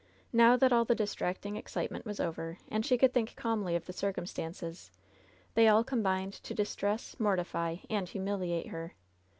Now that all the distracting excitement was over, and she could think calmly of the circumstances, they all combined to distress, mortify and humiliate her.